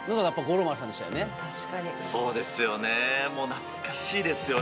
懐かしいですよね。